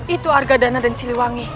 itu harga dana dan siliwangi